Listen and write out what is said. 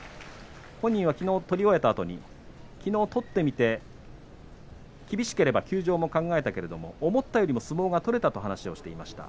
本人はきのう取り終えたあと取ってみて厳しければ休場も考えたけれども思ったよりも相撲が取れたと話をしていました。